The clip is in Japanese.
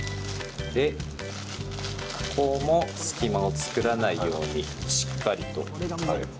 ここも隙間を作らないようにしっかりと。